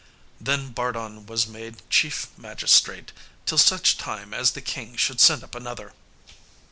Then Bardun was made chief magistrate, till such time as the king should send up another.